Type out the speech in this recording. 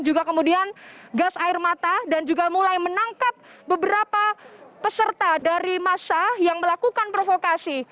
juga kemudian gas air mata dan juga mulai menangkap beberapa peserta dari masa yang melakukan provokasi